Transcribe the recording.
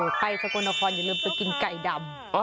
ไปสกลนครอย่าลืมไปกินไก่ดำ